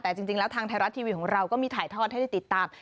แต่จริงแล้วทางไทยรัฐทีวีของเราก็มีถ่ายทอดให้ได้ติดตาม